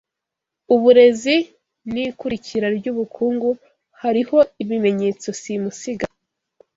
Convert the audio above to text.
UBUREZI N'IKURIKIRA RY'UBUKUNGU Hariho ibimenyetso simusiga